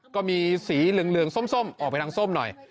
ก็มีสีเหลืองส้มออกไปทางส้มหน่อย